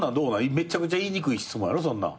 めちゃくちゃ言いにくい質問やろ。